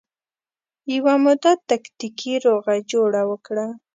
یوه موده تکتیکي روغه جوړه وکړه